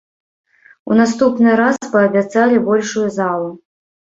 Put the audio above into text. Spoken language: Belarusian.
У наступны раз паабяцалі большую залу.